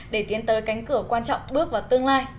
để tiến tới cánh cửa quan trọng bước vào tương lai